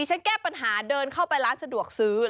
แก้ปัญหาเดินเข้าไปร้านสะดวกซื้อ